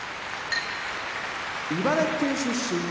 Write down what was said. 茨城県出身